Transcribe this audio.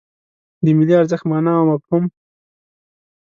د ملي ارزښت مانا او مفهوم